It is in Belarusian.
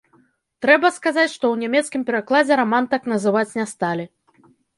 Трэба сказаць, што ў нямецкім перакладзе раман так называць не сталі.